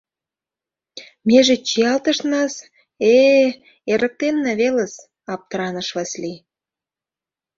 — Меже чиялтышнас, э-э, эрыктенна велыс, — аптыраныш Васлий.